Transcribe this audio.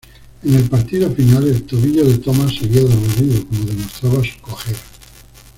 En el partido final, el tobillo de Thomas seguía dolorido, como demostraba su cojera.